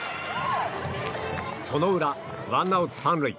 その裏、ワンアウト３塁。